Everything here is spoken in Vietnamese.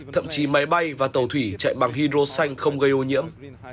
thậm chí máy bay và tàu thủy chạy bằng hydro xanh không gây ô nhiễm